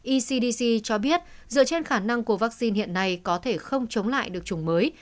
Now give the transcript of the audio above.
ecdc cho biết dựa trên khả năng của vaccine hiện nay có thể không chống lại được chủng mới